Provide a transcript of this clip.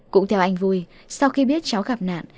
cũng theo anh vui sau khi biết cháu gặp nạn